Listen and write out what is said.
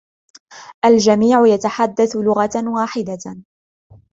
الجميع يتحدث لغةً واحدةً.